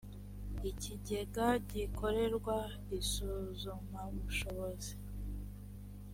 ikigega gikorerwa isuzumabushobozi